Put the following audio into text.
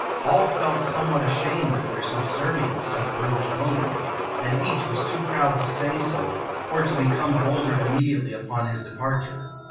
All felt some what ashamed of their subservience to the village bully, and each was too proud to say so, or to become bolder immediately upon his departure.